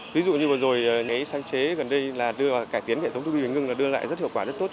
ví dụ như vừa rồi cái sáng chế gần đây là cải tiến hệ thống tuô bin và ngưng là đưa lại rất hiệu quả rất tốt